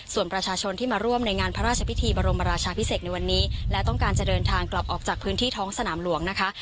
ส่วนประชาชนที่มาร่วมในงานพระราชพิธีบรมราชาพิเศษในวันนี้และต้องการจะเดินทางกลับออกจากพื้นที่ท้องสนามหลวงนะคะ